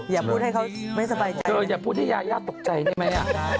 อย่าพูดให้เขาไม่สบายใจเธออย่าพูดให้ยายาตกใจได้ไหม